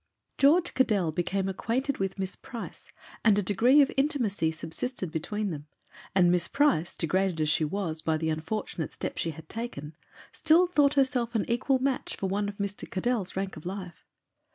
George Caddell became acquainted with Miss Price and a degree of intimacy subsisted between them, and Miss Price, degraded as she was by the unfortunate step she had taken, still thought herself an equal match for one of Mr. Caddell's rank of life.